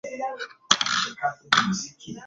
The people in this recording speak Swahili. ilhali wenyeji wanashika nafasi ya juu pekee wengine